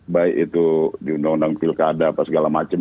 baik itu diundang undang pilkada apa segala macam